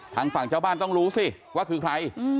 ทางฝั่งเจ้าบ้านต้องรู้สิว่าคือใคร